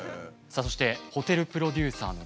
そしてホテルプロデューサーの龍崎さん。